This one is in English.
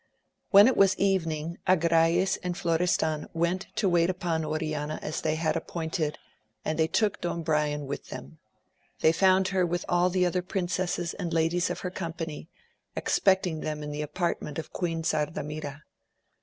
When it was evening Agrayes and Florestan went to wait upon Oriana as they had appointed, and they took Don Brian with them. They found her with all the other princesses and ladies of her company, ex pecting them in the apartment of Queen Sardamira.